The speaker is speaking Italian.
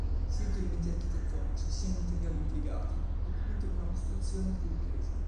Sia gli elementi architettonici, sia i materiali impiegati, documentano una costruzione a più riprese.